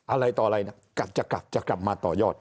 อะไรต่ออะไรจะกลับมาต่อยอด